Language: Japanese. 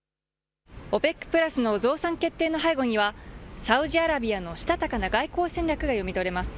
ＯＰＥＣプラスの増産決定の背後には、サウジアラビアのしたたかな外交戦略が読み取れます。